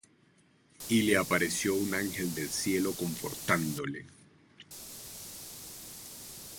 Y le apareció un ángel del cielo confortándole.